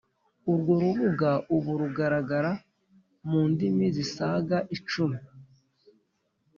Urwo rubuga ubu rugaragara mu ndimi zisaga icumi.